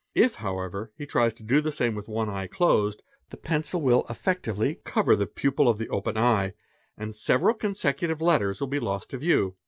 If, however, he tries to do the same with one eye closed, the pencil will effectually cover the pupil of the open eye, and several consecutive letters will be lost to view.